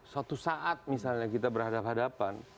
suatu saat misalnya kita berhadapan hadapan